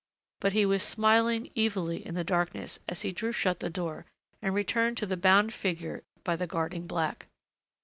But he was smiling evilly in the darkness as he drew shut the door and returned to the bound figure by the guarding black.